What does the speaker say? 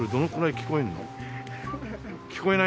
聞こえないね。